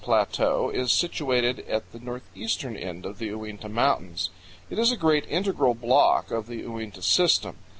75 The Owiyukuts Plateau is situated at the northeastern end of the Uinta Mountains. It is a great integral block of the Uinta system.